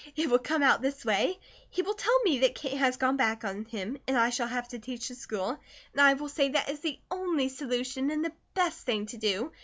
It will come out this way: he will tell me that Kate has gone back on him and I shall have to teach the school, and I will say that is the ONLY solution and the BEST thing to do.